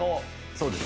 そうです。